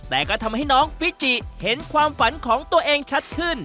แต่ก็ทำให้น้องฟิจิเห็นความฝันของตัวเองชัดขึ้น